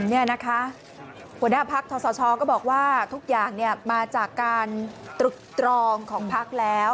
เนี่ยนะคะหัวหน้าภักดิ์ทศชก็บอกว่าทุกอย่างเนี่ยมาจากการตรึกตรองของภักดิ์แล้ว